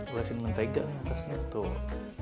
ulesin mentega nih atasnya tuh